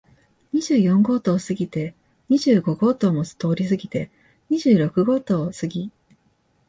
二十四号棟を過ぎて、二十五号棟も通り過ぎて、二十六号棟を過ぎ、